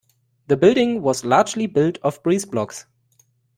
The building was largely built of breezeblocks